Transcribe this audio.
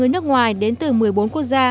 đặc biệt là